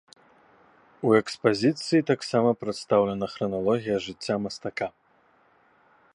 У экспазіцыі таксама прадстаўлена храналогія жыцця мастака.